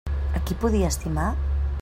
A qui podia estimar?